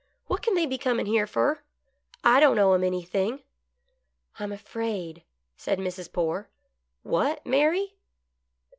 What can they be cornin' here fer I don't owe 'em anything." " I'm afraid "— said Mrs. Poore. " What, Mary